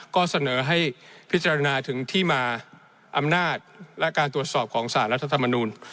ก็เสนอให้พิจารณาถึงที่มาอำนาจและการตรวจสอบของสารรัฐธรรมนูล